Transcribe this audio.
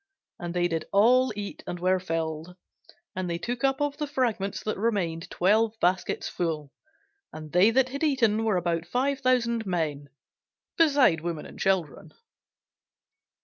And they did all eat, and were filled: and they took up of the fragments that remained twelve baskets full. And they that had eaten were about five thousand men, beside women and children.